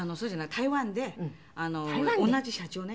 台湾で同じ社長ね。